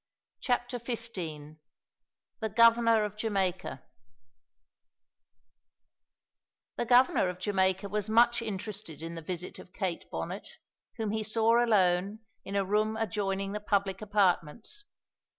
CHAPTER XV THE GOVERNOR OF JAMAICA The Governor of Jamaica was much interested in the visit of Kate Bonnet, whom he saw alone in a room adjoining the public apartments.